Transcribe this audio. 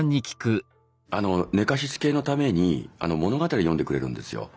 寝かしつけのために物語を読んでくれるんですよ。